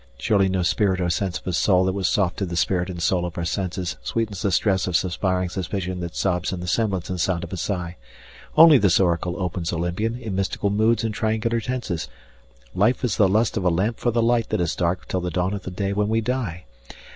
Surely no spirit or sense of a soul that was soft to the spirit and soul of our senses Sweetens the stress of suspiring suspicion that sobs in the semblance and sound of a sigh; Only this oracle opens Olympian, in mystical moods and triangular tenses "Life is the lust of a lamp for the light that is dark till the dawn of the day when we die."